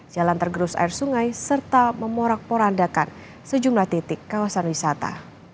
jalan tergerus air sungai serta memorak porandakan sejumlah titik kawasan wisata